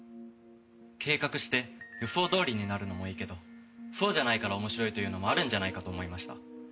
計画して予想どおりになるのもいいけどそうじゃないから面白いというのもあるんじゃないかと思いました。